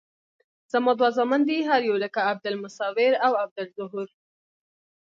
زما دوه زامن دي هر یو لکه عبدالمصویر او عبدالظهور.